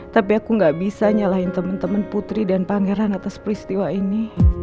tapi aku gak bisa nyalahin temen temen putri dan pangeran atas peristiwa ini